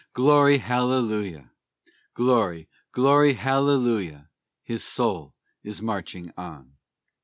Glory Hallelujah! Glory! Glory Hallelujah! His soul is marching on.